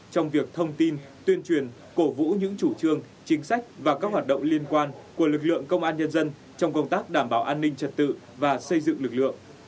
trong việc thông tin tuyên truyền cổ vũ những chủ trương chính sách và các hoạt động liên quan của lực lượng công an nhân dân trong công tác đảm bảo an ninh trật tự và xây dựng lực lượng